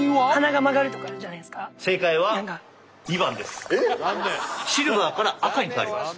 正解はシルバーから赤に変わります。